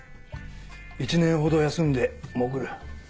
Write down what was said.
１年ほど休んで潜る。